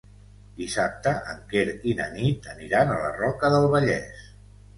Dissabte en Quer i na Nit aniran a la Roca del Vallès.